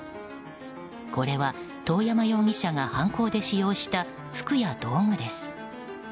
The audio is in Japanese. これは、遠山容疑者が犯行で使用した服や道具です。